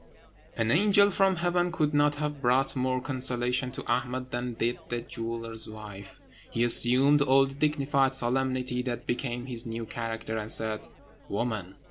An angel from heaven could not have brought more consolation to Ahmed than did the jeweller's wife. He assumed all the dignified solemnity that became his new character, and said, "Woman!